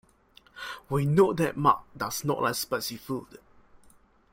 We know that Mark does not like spicy food.